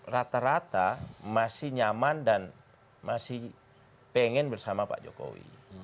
rata rata masih nyaman dan masih pengen bersama pak jokowi